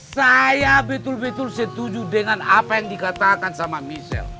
saya betul betul setuju dengan apa yang dikatakan sama michelle